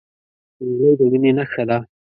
نجلۍ د مینې نښه ده.